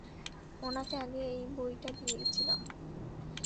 ওনাকে আগে এই বইটা দিয়েছিলাম।